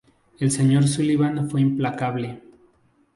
La señora Sullivan fue implacable.